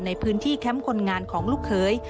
ในพื้นที่แคมป์คนงานของลูกเขย